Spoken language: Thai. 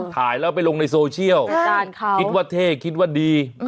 ถ่ายแล้วไปลงในโซเชียลคิดว่าเท่คิดว่าดี